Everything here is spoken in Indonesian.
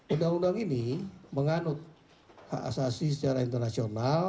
undang undang ini menganut hak asasi secara internasional